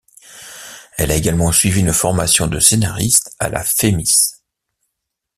Elle a également suivi une formation de scénariste à La Femis.